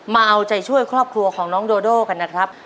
มาเอาใจช่วยครอบครัวของน้องโดโดกันนะครับ